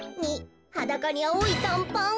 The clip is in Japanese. ２はだかにあおいたんパン。